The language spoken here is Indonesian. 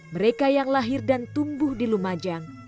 mereka yang lahir dan tumbuh di lumajang